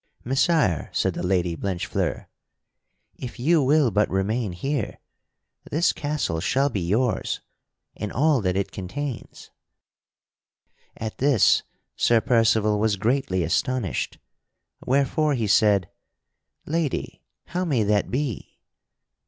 "Messire," said the Lady Blanchefleur, "if you will but remain here, this castle shall be yours and all that it contains." At this Sir Percival was greatly astonished, wherefore he said: "Lady, how may that be?